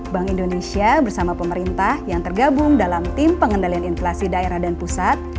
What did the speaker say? bank indonesia bersama pemerintah yang tergabung dalam tim pengendalian inflasi daerah dan pusat